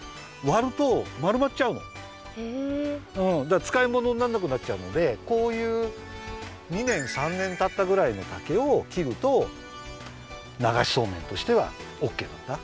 でつかいものになんなくなっちゃうのでこういう２年３年たったぐらいの竹をきるとながしそうめんとしてはオッケーなんだ。